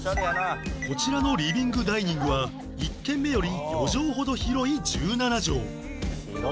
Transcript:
こちらのリビングダイニングは１軒目より４畳ほど広い１７畳